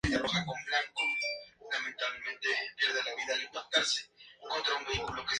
Algunos atribuyen la Rede Wicca a Doreen Valiente.